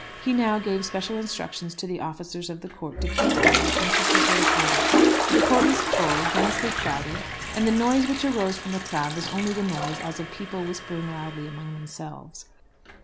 He now gave special instructions to the officers of the court to keep quiet and to preserve order. But the court was full, densely crowded; and the noise which arose from the crowd was only the noise as of people whispering loudly among themselves.